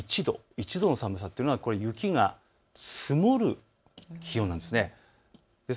１度の寒さというのは雪が積もる気温なんです。